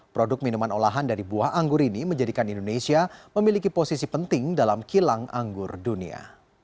produk minuman olahan dari buah anggur ini menjadikan indonesia memiliki posisi penting dalam kilang anggur dunia